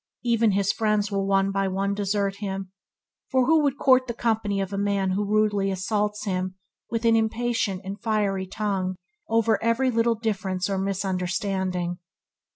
Even his friends will one by one desert him, for who would court the company of a man who rudely assaults him with an impatient and fiery tongue over every little difference or misunderstanding.